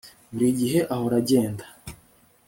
Buri gihe ahora agenda